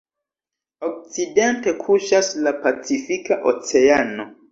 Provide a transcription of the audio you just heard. Okcidente kuŝas la Pacifika Oceano.